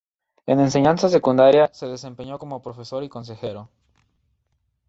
En Enseñanza Secundaria se desempeñó como profesor y consejero.